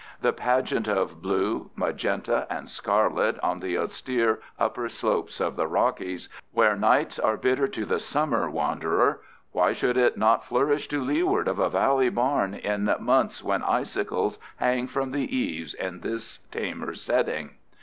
The pageant of blue, magenta, and scarlet on the austere upper slopes of the Rockies, where nights are bitter to the summer wanderer—why should it not flourish to leeward of a valley barn in months when icicles hang from the eaves in this tamer setting?